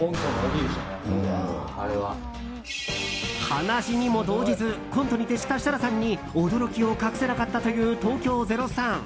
鼻血にも動じずコントに徹した設楽さんに驚きを隠せなかったという東京０３。